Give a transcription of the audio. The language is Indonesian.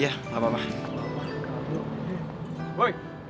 ya allah kenapa mesti ada lo sih nat